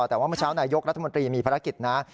แต่ว่าเมื่อเช้านายกรัฐมนตรีมีภารกิจนะ